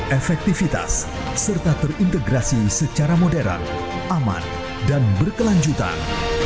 efektivitas serta terintegrasi secara modern aman dan berkelanjutan